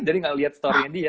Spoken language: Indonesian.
jadi gak liat storynya dia